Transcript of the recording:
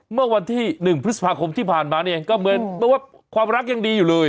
เมื่อวันที่๑พฤษภาคมที่ผ่านมาเนี่ยก็เหมือนว่าความรักยังดีอยู่เลย